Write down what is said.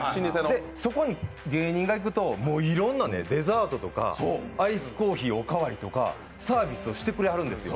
そこに芸人が行くと、いろんなデザートとかアイスコーヒーおかわりとか、サービスをしてくれはるんですよ。